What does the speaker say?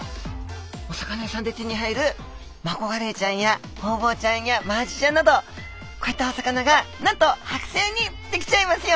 お魚屋さんで手に入るマコガレイちゃんやホウボウちゃんやマアジちゃんなどこういったお魚がなんとはく製にできちゃいますよ！